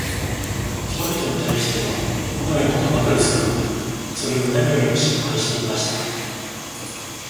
人びとに対しては良くないことばかりするので、それを何よりも心配していました。